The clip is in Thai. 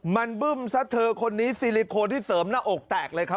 มันบึ้มซะเธอคนนี้ซิลิโคนที่เสริมหน้าอกแตกเลยครับ